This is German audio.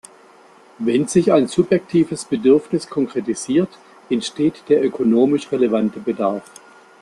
Wenn sich ein subjektives Bedürfnis konkretisiert, entsteht der ökonomisch relevante Bedarf.